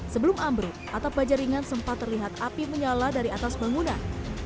sebelum ambruk atap bajaringan sempat terlihat api menyala dari atas bangunan